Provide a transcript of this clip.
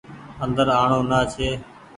اندر آڻو نآ ڇي۔